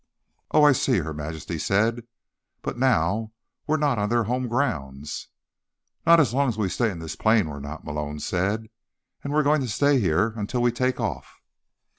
"Oh, I see," Her Majesty said. "But now we're not on their home grounds." "Not so long as we stay in this plane, we're not," Malone said. "And we're going to stay here until we take off."